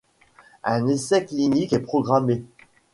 Un essai clinique est programmé.